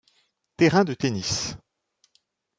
Terrain de tennis.